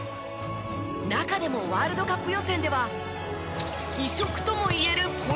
中でもワールドカップ予選では異色とも言えるポイント